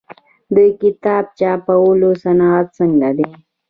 د کتاب چاپولو صنعت څنګه دی؟